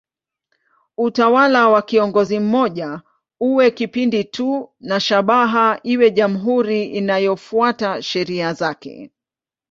Utawala wa kiongozi mmoja uwe kipindi tu na shabaha iwe jamhuri inayofuata sheria zake.